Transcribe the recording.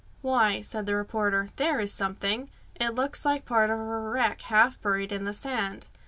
"Why," said the reporter, "there is something. It looks like part of a wreck half buried in the sand."